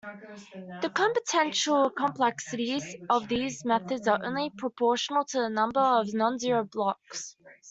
The computational complexities of these methods are only proportional to the number of non-zero blocks.